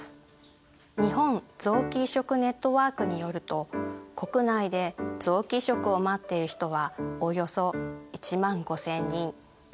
日本臓器移植ネットワークによると国内で臓器移植を待っている人はおよそ１万５，０００人。